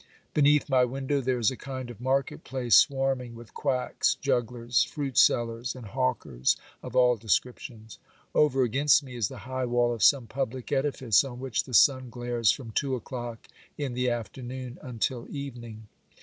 Beneath my window there is a kind of market place, swarming with quacks, jugglers, fruit sellers and hawkers of all descriptions. Over against me is the high wall of some public edifice, on which the sun glares from two o'clock in the afternoon until evening.